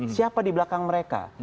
siapa di belakang mereka